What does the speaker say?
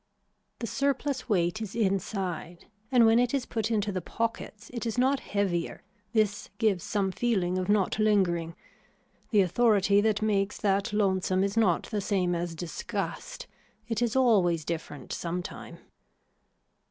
The surplus weight is inside and when it is put into the pockets it is not heavier, this gives some feeling of not lingering. The authority that makes that lonesome is not the same as disgust. It is always different sometime.